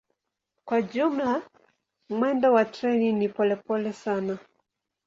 Kwa jumla mwendo wa treni ni polepole sana.